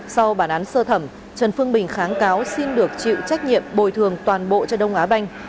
sau bản án sơ thẩm trần phương bình kháng cáo xin được chịu trách nhiệm bồi thường toàn bộ cho đông á banh